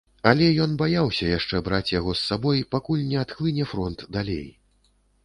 Але ён баяўся яшчэ браць яго з сабой, пакуль не адхлыне фронт далей.